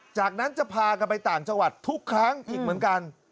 จากนั้นจะพากันไปต่างจังหวัดทุกครั้งอีกเหมือนกัน